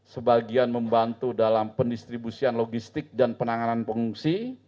sebagian membantu dalam pendistribusian logistik dan penanganan pengungsi